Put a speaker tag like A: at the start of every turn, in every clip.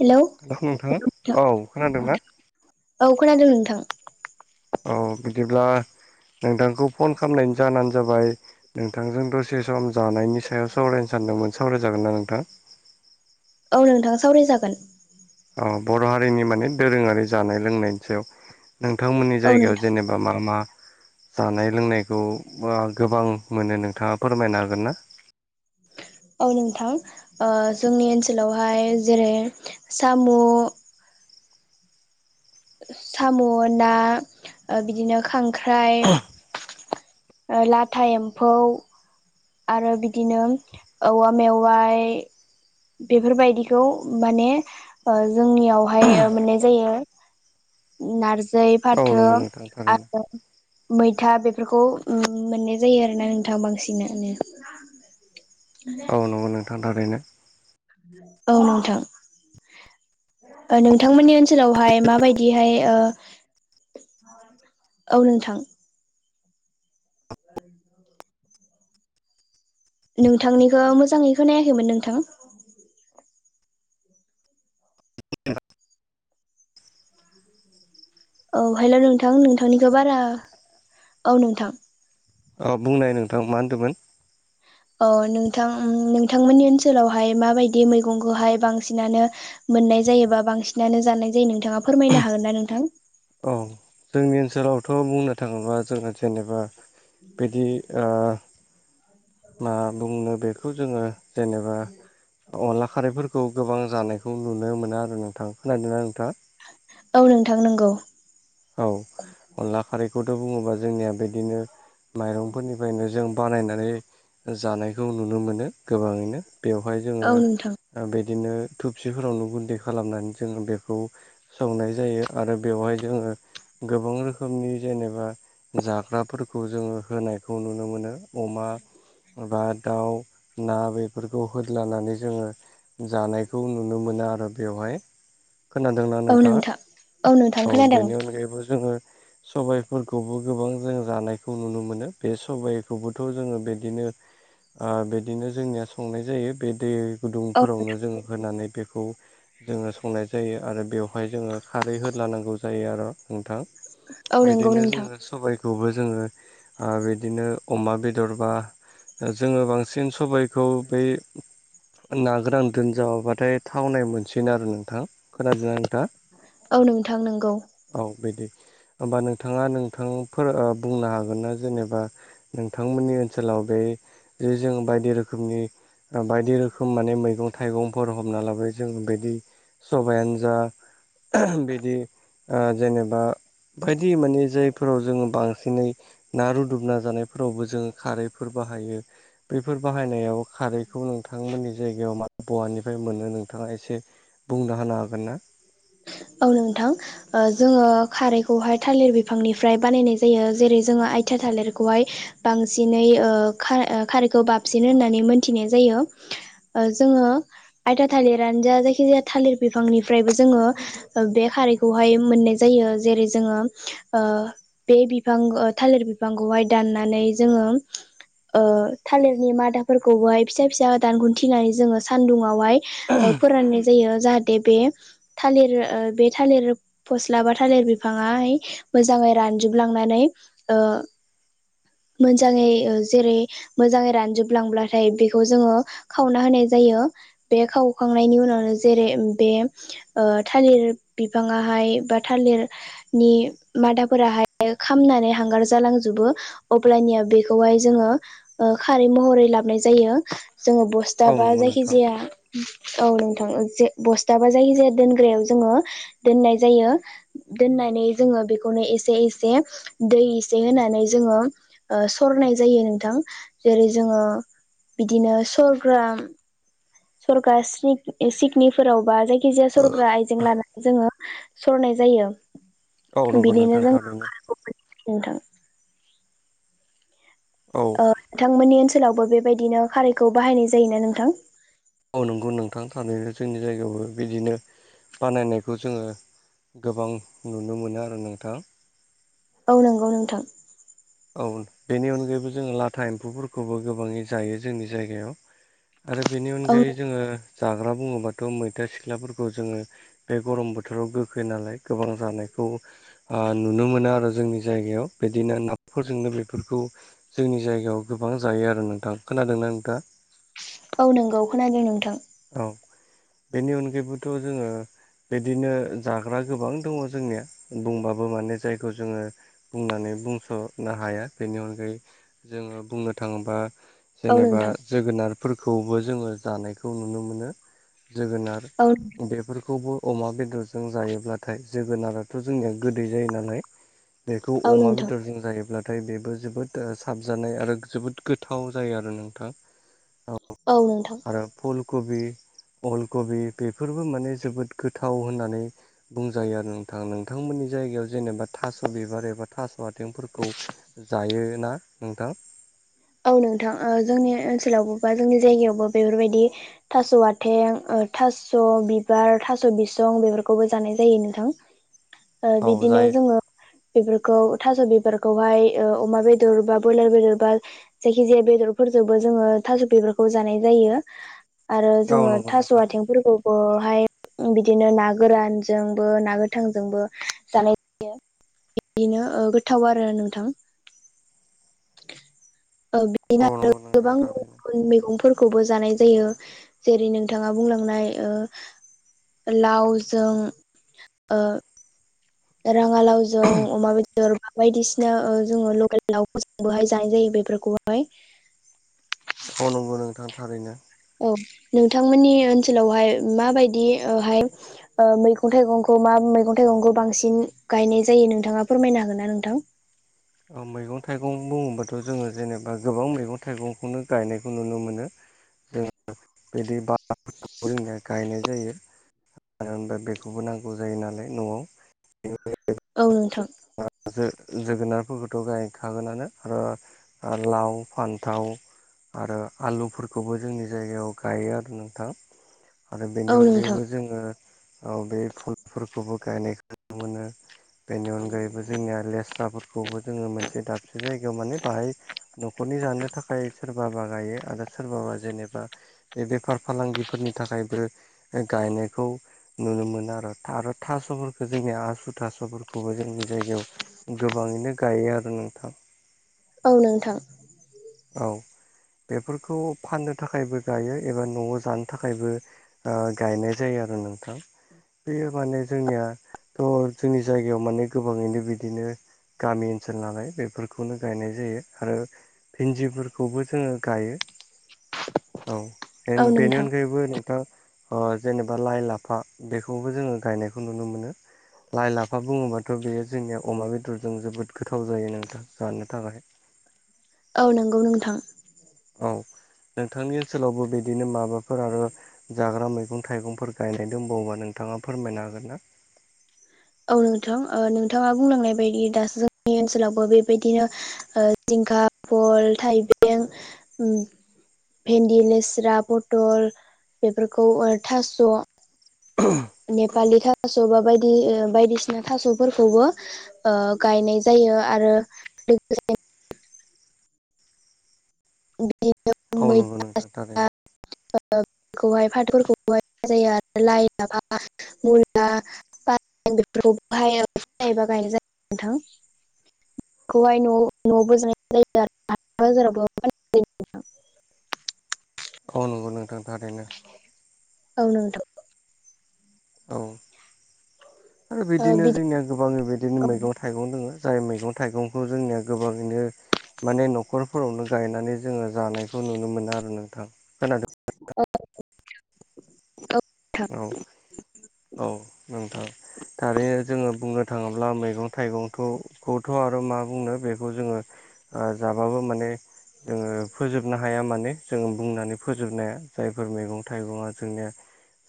A: Hello
B: hello
A: औ
B: नोंथाङा
A: नोंथां
B: औ खोनादोंना
A: औ खोनादों नोंथां
B: औ बिदिब्ला नोंथांखौ फन खालामनायनि जाहोनानो जाबाय नोंथांजों दसे सम जानायनि सायाव सावरायनो सानदोंमोन सावरायजागोन ना नोंथां
A: औ नोंथां सावरायजागोन
B: बर' हारिनि माने दोरोङारि जानाय लोंनायनि सायाव नोंथांमोननि
A: औ
B: जायगायाव
A: नोंथां
B: जेनेबा बा मा मा जानाय लोंनायखौ गोबां मोनो नोंथाङा फोरमायनो हागोन ना
A: औ नोंथां जोंनि ओनसोलावहाय जेरै साम' साम' ना बिदिनो खांख्राइ लाथा एम्फौ आरो बिदिनो औवा मेवाय बेफोरबायदिखौ माने जोंनियावहाय मोननाय जायो नारजि
B: औ
A: फाथो
B: नंगौ नोंथां थारैनो
A: आरो मैथा बेफोरखौ मोननाय जायो आरोना नोंथां बांसिनानो
B: औ
A: [inaudible]
B: नंगौ नोंथां थारैनो
A: औ नोंथां ओ नोंथांमोननि ओनसोलावहाय माबायदिहाय ओ औ नोंथां। [inaudible] नोंथांनिखौ मोजाङै नायाखैमोन नोंथां औ हेल' नोंथां नोंथांनिखो बारा औ नोंथां।
B: अ बुंनाय नोंथां मा होनदोमोन?
A: अ नोंथां नोंथांमोननि ओनसोलावहाय माबायदि मैगंखौहाय बांसिनानो मोननाय जायोबा बांसिनानो जानाय जायो नोंथाङा फोरमायनो हागोन ना नोंथां?
B: औ जोंनि ओनसोलावथ' बुंनो थाङोब्ला जोङो जेनेबा बिदि ओ मा बुंनो बेखौ जोङो जेनेबा अनला खारैफोरखौ गोबां जानायखौ नुनो मोना आरो नोंथां खोनादोंना नोंथाङा?
A: औ नोंथां नंगौ।
B: औ अनला खारैखौथ' बुङोबा जोंनिया बेदिनो माइरंफोरनिफ्रायनो जों बनायनानै जानायखौ नुनो मोनो गोबाङैनो बेवहाय जोङो
A: औ नोंथां
B: ओ बेदिनो थुबसिफोरावनो गुन्दै खालामनानै जोङो बेखौ संनाय जायो आरो बेवहाय जोङो गोबां रोखोमनि जेनेबा जाग्राफोरखौ जोङो होनायखौ नुनो मोनो अमा, बा दाउ, ना बेफोरखौ होदलानानै जोङो जानायखौ नुनो मोना आरो बेवहाय। खोनादोंना
A: औ
B: नोंथाङा
A: नोंथां नोंथां
B: औ
A: खोनादों
B: बेनि अनगायैबो जोङो सबाइफोरखौबो गोबां जों जानायखौ नुनो मोनो बे सबाइखौबोथ' जोङो बेदिनो ओ बेदिनो जोंनिया संनाय जायो बेदि
A: औ
B: गुदुंफोरावनो जों होनानै बेखौ जोङो संनाय जायो आरो बेयाव हाय जोङो खारै होद्लानांगौ जायो आर' नोंथां
A: औ नंगौ
B: बेदिनो
A: नोंथां
B: जोङो सबाइखौ खौबो जोङो ओ बेदिनो अमा बेदर बा ओ जोङो बांसिन सबाइखौ बै ना गोरानदोनो जाबोबाथाय थावनाय मोनसिनो आरो नोंथां। खोनादोंना नोंथाङा?
A: औ नोंथां नोंगौ।
B: औ बेदि होमबा नोंथाङा नोंथांफोर ओ बुंनो हागोन ना जेनेबा नोंथांमोननि ओनसोलाव बे जे जों बायदि रोखोमनि ओ बायदि रोखोम माने मैगं थाइगंफोर हमना लाबो जों बेदि सबायानो जा बिदि ओ जेनेबा बायदि माने जाय फोराव जोङो बांसिनै ना रुदुबना जानायफोरावबो जोङो खारैफोर बाहायो। बैफोर बाहायनायाव खारैखौ नोंथांमोननि जायगायाव मा बहानिफ्राय मोनो नोंथाङा एसे बुंनो हानो हागोन ना।
A: औ नोंथां। ओ जोङो खारैखौहाय थालिर बिफांनिफ्राय बानायनाय जायो जेरै जोङो आइथा थालिरखौहाय बांसिनै ओ खा ओ खारैखौ बाबसिनो होननानै मोनथिनाय जायो। ओ जोङो आयथा थालिरानो जा जायखिजाया थालिर बिफांनिफ्रायबो जोङो ओ बे खारैखौहाय मोननाय जायो जेरै जोङो ओ बे बिफां ओ थालिर बिफांखौहाय दाननानै जोङो ओ थालिरनि मादाफोरखौबोहाय फिसा फिसा दान खुन्थिनानै जोङो सानदुङावहाय ओ फोराननाय जायो जाहाथे बे थालिर ओ बे थालिर फस्लाबा थालिर बिफाङाहाय मोजाङै रानजुबलांनानै ओ मोजाङै ओ जेरै मोजाङै रानजुबलांब्लाथाय बेखौ जोङो खावना होनाय जायो बे खावखांनायनि उनावनो जेरै बे ओ थालिर बिफाङाहाय बा थालिर नि मादाफोराहाय खामनानै हांगार जालांजुबो। अब्लानिया बेखौहाय जोङो ओ खारै महरै लाबाय जायो जोङो बस
B: औ
A: स्थाबा
B: नंगौ नोंथां
A: जायखिजाया औ नोंथां बस्थाबा जायखिजाया दोनग्रायाव जोङो दोननाय जायो। दोननानै जोङो बेखौनो एसे एसे दै एसे होनानै जोङो ओ सरनाय जायो नोंथां जेरै जोङो बिदिनो सरग्रा सरग्रा सिक सिकनिफोरावबा जायखिजाया सरग्रा आयजें लाना जोङो सरनाय जायो
B: औ नंगौ
A: बिदिनो
B: नोंथां
A: जों
B: थारैनो
A: नोंथां
B: औ
A: ओ नोंथांमोननि ओनसोलावबो बेबायदिनो खारैखौ बाहायनाय जायोना नोंथां?
B: औ नंगौ नंगौ नोंथां थारैनो जोंनि जायगायावबो बिदिनो बानायनायखौ जोङो गोबां नुनो मोनो आरो नोंथां
A: औ नंगौ नोंथां
B: औ बेनि अनगायैबो जोङो लाथा एम्फौफोरखौबो गोबाङै जायो जोंनि जायगायाव आरो बेनि
A: औ
B: अनगायै जोङो जाग्रा बुङोबाथ' मैथा सिख्लाफोरखौ जोङो बे गरम बोथोराव गोखै नालाय गोबां जानायखौ ओ नुनो मोनो आरो जोंनि जायगायाव बिदिनो फोरजोंनो बेफोरखौ जोंनि जायगायाव गोबां जायो आरो नोंथां खोनादोंना नोंथाङा?
A: औ नोंगौ खोनादों नोंथां।
B: औ बेनि अनगायैबोथ' जोङो बिदिनो जाग्रा गोबां दङ जोंनिया बुंबाबो माने जायखौ जोङो बुंनानै बुंस' ना हाया बेनि अनगायै जोङो बुंनो थाङोबा
A: औ
B: जेनेबा
A: नोंथां
B: जोगोनारफोरखौबो जोङो जानायखौ नुनो मोनो जोगोनार
A: औ
B: बेफोरखौबो अमा बेदरजों जायोब्लाथाय जोगोनार बेथ' जोंनिया गोदै जायो नालाय बेखौ
A: औ
B: अमा
A: नोंथां
B: बेदरजों जायो। नाथाय बेबो जोबोद साबजानाय आरो जोबोद गोथाव जायो आरो नोंथाङा औ
A: औ नोंथां
B: फुल कबि अल कबि बेफोरबो माने जोबोद गोथाव होननानै बुंजायो आरो नोंथाङा नोंथांमोननि जायगायाव जेनेबा थास' बिबार एबा थास' आथिंफोर खौ जायोना नोंथां
A: औ नोंथां ओ जोंनि ओनसोलावबो बा जोंनि जायगायावबो बेफोरबायदि थास' आथें थास' बिबार थास' बिसं बेफोरखौबो जानाय जायो नोंथां
B: [inaudible]
A: ओ
B: औ
A: बिदिनो
B: जायो
A: जोङो बेफोरखौ थास' बिबारखौहाय ओ अमा बेदर बा ब्रयलार बेदर बा जायखि जाया बेदरफोरजोंबो जोङो थास' बेफोरखौ जानाय जायो। आरो
B: औ
A: जोङो
B: नंगौ
A: थास'
B: नोंथां
A: आइथिंफोरखौ बहाय बिदिनो ना गोरानजोंबो ना गोथांजोंबो जानाय जायो बिदिनो गोथाव आरो नोंथां बिदिनो
B: औ
A: आरो
B: नंगौ नोंथां
A: गोबां
B: थारैनो
A: गुबुन मैगंफोर [unintelligible] खौबो जानाय जायो जेरै नोंथाङा बुंलांनाय लावजों ओ राङालावजों अमा बे दर बा बायदिसिना जोङो लकेल लावफोरजों बोहाय जानाय जायो बेफोरखौहाय
B: अ नंगौ नोंथां थारैनो
A: औ नोंथांमोननि ओनसोलावहाय माबायदिहाय मैगं थाइगंखौ मा मैगं थाइगंखौ बांसिन गायनाय जायो नोंथाङा फोरमायनो हागोन ना नोंथां
B: मैगं थाइगं बुङोबाथ' जोङो जेनेबा गोबां मैगं थाइगंखौनो गायनायखौ नुनो मोनो जों बिदि बा जों गायनाय जायो मानो होनबा बेखौबो नांगौ जायो नालाय न'आव बे
A: औ नोंथां
B: जोगोनारफोरखौथ' गायखागोनानो आरो लाव फान्थाव आरो आलुफोरखौबो जोंनि जायगायाव गायो आरो नोंथां आरो बेनि
A: औ नोंथां
B: अनगायैबो जोङो औ बे फुलफोरखौबो गायनायखौ नुनो मोनो बे जैबो जोंनिया लेस्राफोरखौबो जोङो मोनसे दाबसे जायगायाव माने बाहाय न'खरनि जानो थाखाय सोरबाबा गायो आरो सोरबाबा जेनेबा बे बेफार फालांगिफोरनि थाखायबो गायनायखौ नुनो मोनो आरो आरो थास'फोरखौ जोंनिया आसु थास'फोरखौबो जोंनि जायगायाव गोबाङैनो गायो आरो नोंथां
A: औ नोंथां
B: औ बेफोरखौ फाननो थाखायबो गायो एबा न'आव जानो थाखायबो गायनाय जायो आरो नोंथां बेयो माने जोंनिया जोंनि जायगायाव माने गोबाङैनो बिदिनो गामि ओनसोल नालाय बेफोरखौनो गायनाय जायो आरो भिन्दिफोरखौबो जोङो गायो औ बेनि अनगायैबो नोंथाङा जेनेबा लाइ लाफा बेखौबो जोङो गायनायखौ नुनो मोनो लाइ लाफा बुङोबा बेयो जोंनिया अमा बेदरजों जोबोद गोथाव जायो नोंथां जानो थाखाय
A: औ नंगौ नोंथां
B: औ नोंथांनि ओनसोलावबो बिदिनो माबाफोर आरो जाग्रा मैगं थाइगंफोर गायनाय दोनबावोबा नोंथाङा फोरमायनो हागोन ना
A: औ नोंथां नोंथाङा बुंलांनाय बायदि दा जोंनि ओनसोलावबो बेबायदिनो जिंखा फल थाइबें भेन्दि लेस्रा बथल बेफोरखौ थास'
B: अ [unintelligible]
A: नेपालि थास' बा बायदि बायदिसिना थास'फोरखौबो गायनाय जायो आरो लोगोसे बि
B: औ नंगौ
A: मैथा
B: नोंथां थारैनो
A: खौहाय फाथोफोरखौहाय जायो आरो लाइ लाफा मुला बेफोरखौ बाहायायोबा गायनाय जायो नोंथां बेखौहाय न' न'आव बोजोननाय जायो आरो बाजारावबो [unintelligible]
B: औ नंगौ नोंथांथारैनो
A: औ नोंथां
B: औ आरो
A: ओ
B: बिदिनो
A: बिदि
B: जोंनिया गोबां
A: औ
B: बिदिनो मैगं थायगं थाइगं दङ जाय मैगं थाइगंखौ जोंनिया गोबाङैनो माने न'खरफोरावनो गायनानै जोङो जानायखौ नुनो मोनो आरो नोंथां खोनादों
A: औ नोंथां नोंथां
B: औ औ नोंथां थारैनो जोङो बुंनो थाङोब्ला मैगं थाइगंखौथ' आरो मा बुंनो बेखौ जोङो जाबाबो माने जोङो फोजोबनो हाया माने जोङ बुंनानै फोजोबनो हाया जायफोर मैगं थाइगङा जोंनिया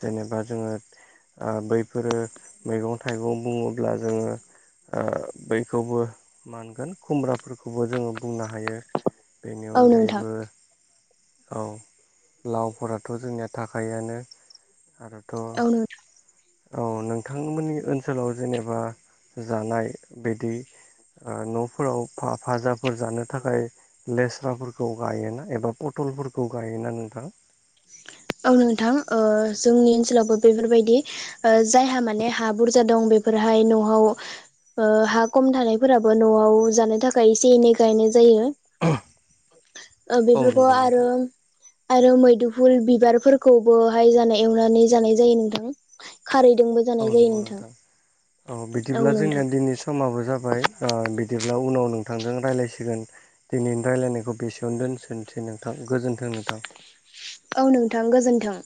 B: जेनेबा जोङो बैफोरो मैगं थाइगं बुङोब्ला जोङो बैखौबो मानगोन खुमब्राफोरखौबो जोङो बुंनो हायो बेनि
A: औ
B: अनगायैबो
A: नोंथां
B: औ लावफोराथ' जोंनिया थाखायआानो आरोथ'
A: [inaudible]
B: औ नोंथांमोननि ओनसोलाव जेनेबा जानाय बिदि न'फोराव फाजाफोर जानो थाखाय लेस्राफोरखौ गायोना एबा पटलफोरखौ गायोना नोंथां?
A: औ नोंथां जोंनि ओनसोलावबो बेफोरबायदि जायहा माने हा बुरजा दं बेफोरहाय न'आव हा खम थानायफोराबो न'आव जानो थाखाय एसे एनै गायनाय जायो।
B: औ
A: बेफोरखौ
B: नंगौ
A: आरो
B: नोंथां
A: आरो मैदुफुल बिबारफोरखौबोहाय जानाय एवनानै जानाय जायो नोंथां। खारैदोंबो
B: औ
A: जानाय जायो
B: नंगौ नोंथां औ बिदिब्ला जोंना दिनै समाबो जाबाय बिदिब्ला उनाव नोंथांजों रायज्लायसिगोन। दिनैनि रायज्लायनायखौ बेसेयावनो दोनसनोसै नोंथां गोजोन्थों नोंथां।
A: औ नोंथां गोजोन्थों।